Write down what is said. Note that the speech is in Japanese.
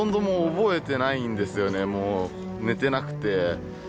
もう寝てなくて。